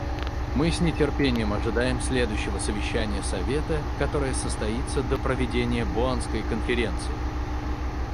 Мы с нетерпением ожидаем следующего совещания Совета, которое состоится до проведения Боннской конференции.